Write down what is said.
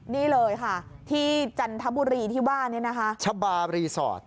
นี่เลยค่ะที่จันทบุรีที่ว่านี่นะคะชะบารีสอร์ท